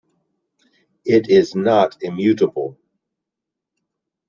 It is not immutable.